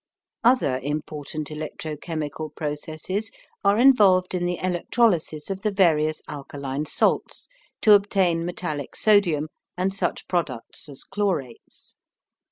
Other important electro chemical processes are involved in the electrolysis of the various alkaline salts to obtain metallic sodium and such products as chlorates.